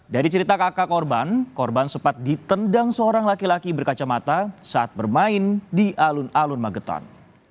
dari cerita kakak korban korban sempat ditendang seorang laki laki berkacamata saat bermain di alun alun magetan